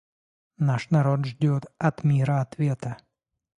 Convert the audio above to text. Наш народ ждет от мира ответа.